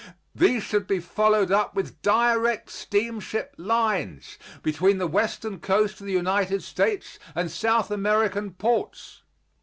These should be followed up with direct steamship lines between the western coast of the United States and South American ports.